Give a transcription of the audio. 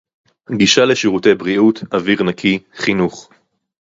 גישה לשירותי בריאות, אוויר נקי, חינוך